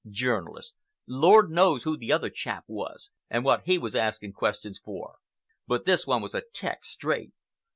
Journalist! Lord knows who the other chap was and what he was asking questions for, but this one was a 'tec, straight.